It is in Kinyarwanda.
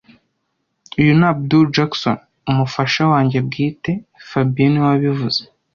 Uyu ni Abdul Jackson, umufasha wanjye bwite fabien niwe wabivuze